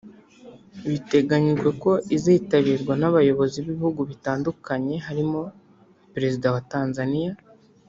Biteganyijwe ko izitabirwa n’abayobozi b’ibihugu bitandukanye harimo Perezida wa Tanzaniya